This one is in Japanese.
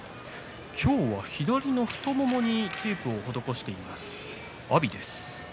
今日は左の太ももにテープを施しています阿炎。